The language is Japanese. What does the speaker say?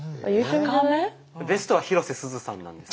ベストは広瀬すずさんなんです。